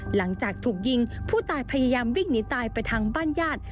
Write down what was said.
หลังจากถูกยิงผู้ตายพยายามวิ่งหนีตายไปทางบ้านญาติ